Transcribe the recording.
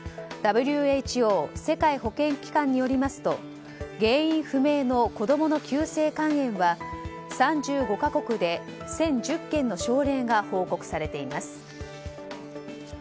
ＷＨＯ・世界保健機関によりますと原因不明の子供の急性肝炎は３５か国で１０１０件の症例が報告されています。